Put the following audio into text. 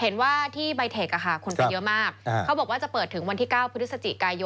ในแต่ละจังหวัด